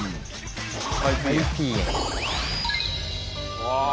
うわ！